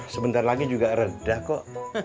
sebentar lagi juga rendah kok